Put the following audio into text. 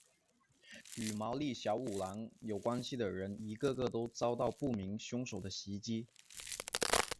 与毛利小五郎有关系的人一个个都遭到不明凶手的袭击。